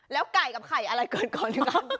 แล้วไก่กับไข่อะไรเกิดก่อน